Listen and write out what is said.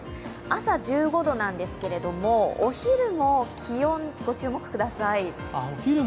朝１５度なんですけれども、お昼も気温ご注目ください。